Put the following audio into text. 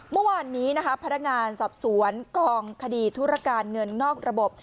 เมื่อวานนี้นะคะพนักงานสอบสวนกองคดีธุรการเงินนอกระบบ